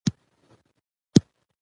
ازادي راډیو د کډوال اړوند مرکې کړي.